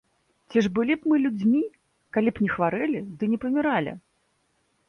Ці ж былі б мы людзьмі, калі б не хварэлі ды не паміралі?